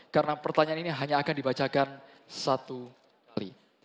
karena pertanyaan ini hanya akan dibacakan satu kali